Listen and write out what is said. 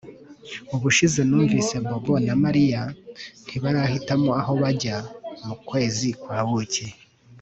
Ubushize numvise Bobo na Mariya ntibarahitamo aho bajya mu kwezi kwa buki